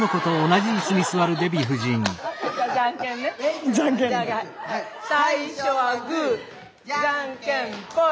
じゃんけんぽい！